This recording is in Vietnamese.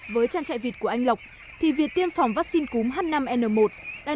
với chăn chạy vịt của anh lộc thì việc tiêm phòng vaccine cúm h năm n một